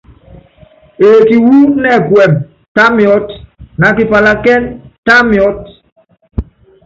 Eeki wu ɛkuɛmɛ, tá miɔ́t, na kipalakínɛ́, tá miɔ́t.